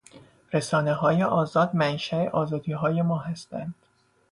رسانههای آزاد منشا آزادیهای ما هستند.